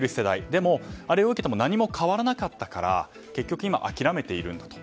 でも、あれを受けても何も変わらなかったから結局今、諦めているんだと。